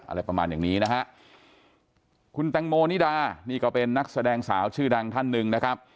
อะไรประมาณอย่างนี้นะฮะคุณแตงโมนิดานี่ก็เป็นนักแสดงสาวชื่อดังท่านหนึ่งนะครับ